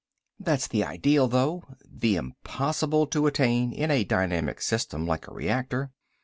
"That's the ideal, though, the impossible to attain in a dynamic system like a reactor.